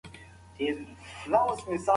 زده کړه انسان ته د ژوند کولو لار ښیي.